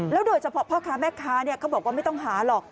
โดยเฉพาะพ่อค้าแม่ค้าเขาบอกว่าไม่ต้องหาหรอก